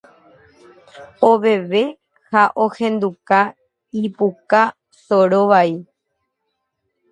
oveve ha ohenduka ipuka soro vai